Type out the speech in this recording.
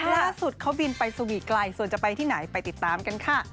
ล่าสุดเขาบินไปสวีทไกลส่วนจะไปที่ไหนไปติดตามกันค่ะ